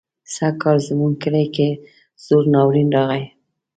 سږکال زموږ په کلي کې سوړ ناورين راغی.